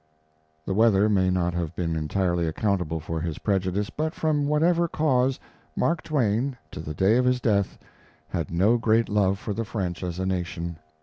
The weather may not have been entirely accountable for his prejudice, but from whatever cause Mark Twain, to the day of his death, had no great love for the French as a nation.